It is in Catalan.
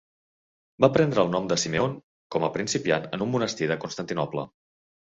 Va prendre el nom de Simeon com a principiant en un monestir de Constantinoble.